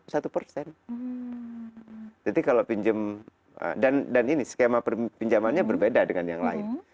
jadi kalau pinjam dan ini skema pinjamannya berbeda dengan yang lain